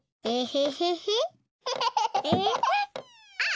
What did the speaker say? あっ！